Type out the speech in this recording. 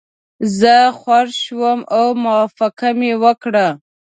زه خوښ شوم او موافقه مې وکړه.